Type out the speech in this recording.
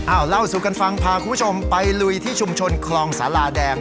เล่าสู่กันฟังพาคุณผู้ชมไปลุยที่ชุมชนคลองศาลาแดง